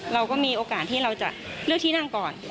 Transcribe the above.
เราก็มีโอกาสที่เราจะเลือกที่นั่งก่อน